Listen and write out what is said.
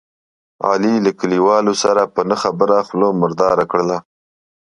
علي له کلیوالو سره په نه خبره خوله مرداره کړله.